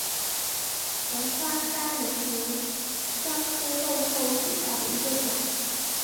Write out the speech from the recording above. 红花砂仁为姜科豆蔻属下的一个种。